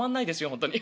本当に。